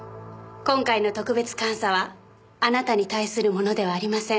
今回の特別監査はあなたに対するものではありません。